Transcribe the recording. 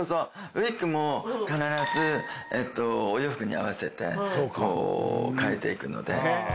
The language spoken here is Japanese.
ウィッグも必ずお洋服に合わせて変えていくので。